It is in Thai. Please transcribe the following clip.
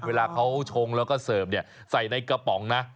เวลาเขาชงแล้วก็เสิร์ฟเนี่ยใส่ในกระป๋องนะ